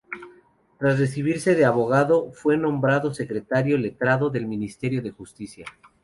Tras recibirse de abogado, fue nombrado secretario letrado del Ministerio de Justicia.